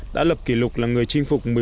đã lập kỷ lục là người chinh phục